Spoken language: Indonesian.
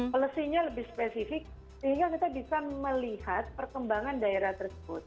policy nya lebih spesifik sehingga kita bisa melihat perkembangan daerah tersebut